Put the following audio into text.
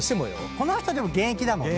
この人でも現役だもんね。